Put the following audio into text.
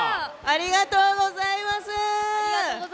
ありがとうございます。